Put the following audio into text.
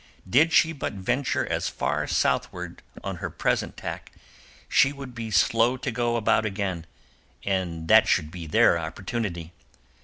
Did she but venture as far southward on her present tack, she would be slow to go about again, and that should be their opportunity.